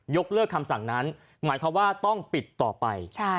กเลิกคำสั่งนั้นหมายความว่าต้องปิดต่อไป